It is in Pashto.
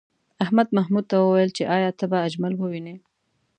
احمد محمود ته وویل چې ایا ته به اجمل ووینې؟